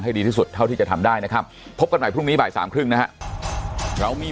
ดีที่สุดเท่าที่จะทำได้นะครับพบกันใหม่พรุ่งนี้บ่ายสามครึ่งนะฮะเรามี